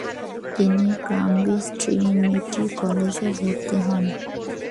তিনি Cambridge Trinity কলেজে ভর্তি হন।